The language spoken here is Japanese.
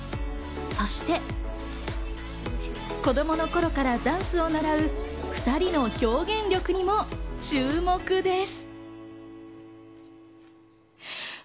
そして、子供の頃からダンスを習う２人の表現力にも注目です。